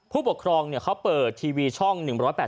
ผู้ปกครองเขาเปิดทีวีช่อง๑๘๘